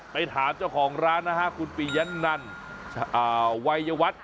ไปถามเจ้าของร้านนะฮะคุณปียะนันวัยวัฒน์